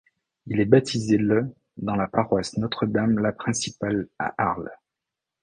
Il est baptisé le dans la paroisse Notre-Dame-la-Principale à Arles.